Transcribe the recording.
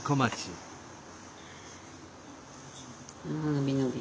伸び伸び。